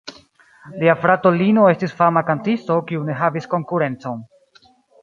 Lia frato Lino estis fama kantisto, kiu ne havis konkurencon.